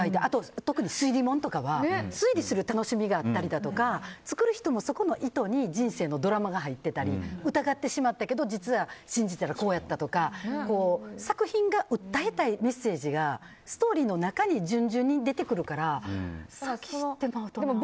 特に推理ものとかは推理する楽しみがあったりとか作る人も、そこの意図に人生のドラマが入ってたり疑ってしまったけど実は信じたらこうやったとか作品が訴えたいメッセージがストーリーの中に順々に出てくるから先知ってまうとな。